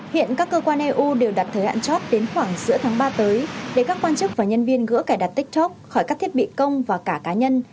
hiện các cơ quan eu đều đặt thời hạn chót đến khoảng giữa tháng ba tới để các quan chức và nhân viên gỡ cài đặt tiktok khỏi các thiết bị công và cả cá nhân